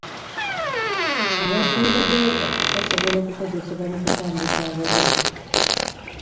Aba booda booda basobola okukozesebwa mu kutambuza abalwadde.